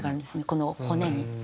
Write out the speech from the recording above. この骨に。